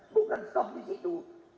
bukan stop disitu